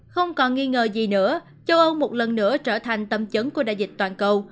không còn nghi ngờ gì nữa châu âu một lần nữa trở thành tâm chấn của đại dịch toàn cầu